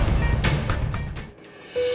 tidak ada apa apa